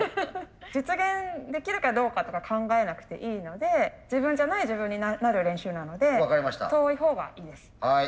実現できるかどうかとか考えなくていいので自分じゃない自分になる練習なので遠いほうがいいです。